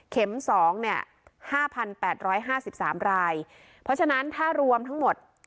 เข็มสองเนี่ยห้าพันแปดร้อยห้าสิบสามรายเพราะฉะนั้นถ้ารวมทั้งหมด